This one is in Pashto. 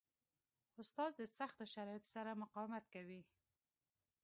استاد د سختو شرایطو سره مقاومت کوي.